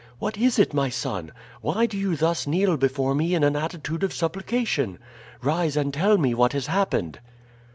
"What is it, my son? Why do you thus kneel before me in an attitude of supplication? Rise and tell me what has happened."